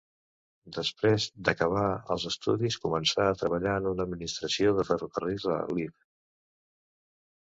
Després d'acabar els estudis, començà a treballar en una administració de ferrocarrils a Lviv.